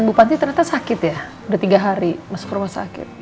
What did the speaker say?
bupati ternyata sakit ya udah tiga hari masuk rumah sakit